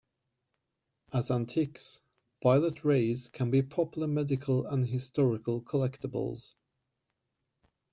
As antiques, violet rays can be popular medical and historical collectibles.